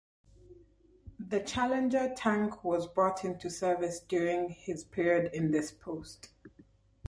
The Challenger tank was brought into service during his period in this post.